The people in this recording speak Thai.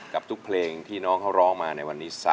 กับทุกเพลงที่น้องเขาร้องมาในวันนี้